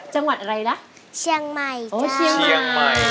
จังหวัดอะไรล่ะเชียงใหม่เชียงใหม่